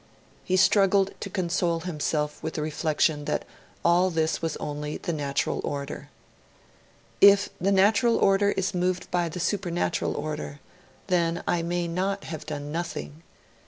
He struggled to console himself with the reflexion that all this was only 'the natural order'. 'If the natural order is moved by the supernatural order, then I may not have done nothing.